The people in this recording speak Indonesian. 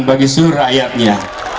bagi seluruh rakyatnya